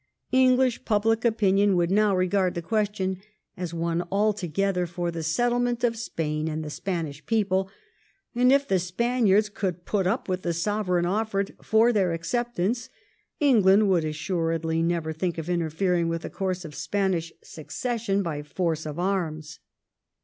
English public opinion would now regard the question as one altogether for the settlement of Spain and the Spanish people, and if the Spaniards could put up with the Sovereign ofiered for their acceptance, England would assuredly never think of interfering with the course of Spanish succession by force of arms.